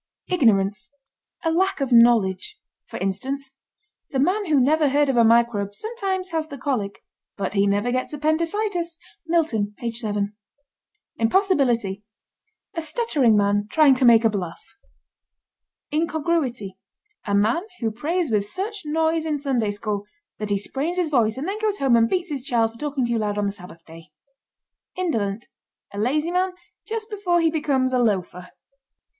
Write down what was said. IGNORANCE. A lack of knowledge. For instance: The man who never heard of a microbe sometimes has the colic, but he never gets appendicitis. (Milton, page 7.) IMPOSSIBILITY. A stuttering man trying to make a bluff. INCONGRUITY. A man who prays with such noise in Sunday School that he sprains his voice and then goes home and beats his child for talking too loud on the Sabbath day. INDOLENT. A lazy man just before he becomes a loafer.